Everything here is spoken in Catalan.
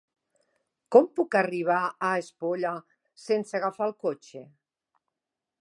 Com puc arribar a Espolla sense agafar el cotxe?